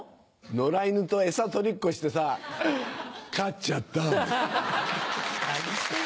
野良犬と餌取りっこしてさ勝っちゃった。